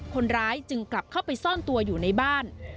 คนร้ายจึงกลับเข้าไปซ่อนตัวอยู่ในบ้าน